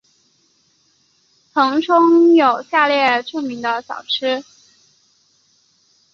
腾冲有下列著名的小吃。